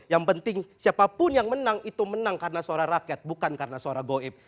yang penting siapapun yang menang itu menang karena suara rakyat bukan karena suara goib